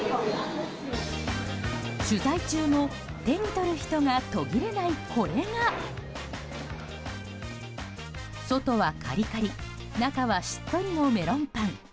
取材中も手に取る人が途切れない、これが外はカリカリ中はしっとりのメロンパン。